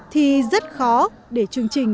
thì rất khó để chương trình